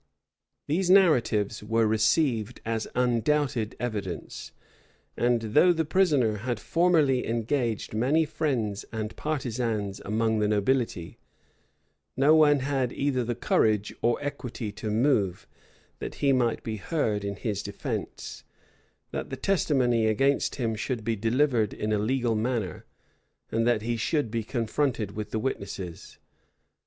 {1549.} These narratives were received as undoubted evidence; and though the prisoner had formerly engaged many friends and partisans among the nobility, no one had either the courage or equity to move, that he might be heard in his defence, that the testimony against him should be delivered in a legal manner, and that he should be confronted with the witnesses.